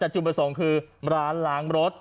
แต่จุดประสงค์คือร้านล้างรถ